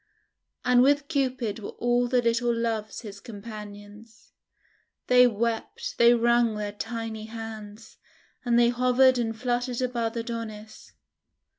And with Cupid were all the little Loves his companions. They wept, they wrung their tiny hands, and they hovered and fluttered above Adonis.